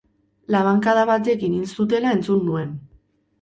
Labankada batekin hil zutela entzun nuen.